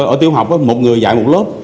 ở tiểu học có một người dạy một lớp